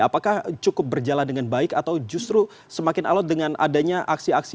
apakah cukup berjalan dengan baik atau justru semakin alot dengan adanya aksi aksi